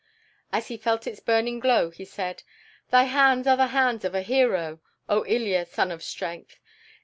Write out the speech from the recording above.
As he felt its burning glow he said, "Thy hands are the hands of a hero, O Ilya, son of strength.